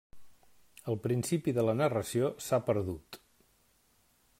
El principi de la narració s'ha perdut.